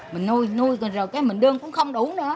mình nuôi rồi cái mình đương cũng không đủ nữa